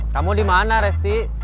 kamu dimana resti